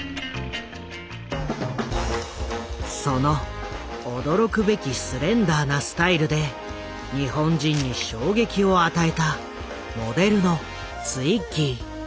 その驚くべきスレンダーなスタイルで日本人に衝撃を与えたモデルのツイッギー。